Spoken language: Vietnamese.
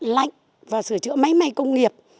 lạnh và sửa chữa máy máy công nghiệp